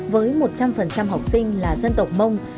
với một trăm linh học sinh là dân tộc mông